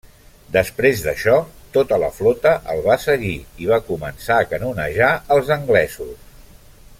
Després d'això, tota la flota el va seguir i va començar a canonejar els anglesos.